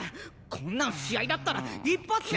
こんなの試合だったら一発レッド！